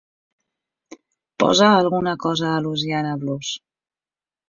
Posa alguna cosa de Louisiana Blues.